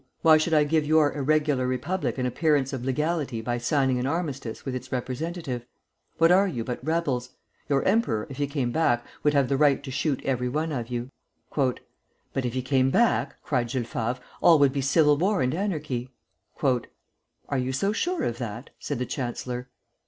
Why should I give your irregular Republic an appearance of legality by signing an armistice with its representative? What are you but rebels? Your emperor if he came back would have the right to shoot every one of you." "But if he came back," cried Jules Favre, "all would be civil war and anarchy." "Are you so sure of that?" said the chancellor.